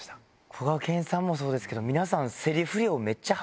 こがけんさんもそうですけど皆さん。